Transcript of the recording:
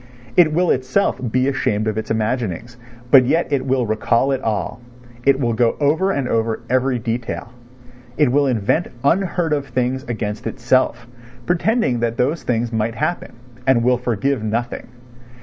It will itself be ashamed of its imaginings, but yet it will recall it all, it will go over and over every detail, it will invent unheard of things against itself, pretending that those things might happen, and will forgive nothing.